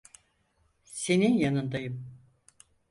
Senin yanındayım.